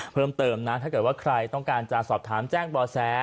เพิ่มเติมนะถ้าเกิดว่าใครต้องการจะสอบถามแจ้งบ่อแส